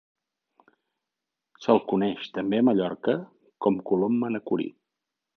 Se'l coneix també a Mallorca com a colom manacorí.